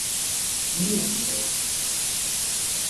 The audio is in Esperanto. Mia Dio!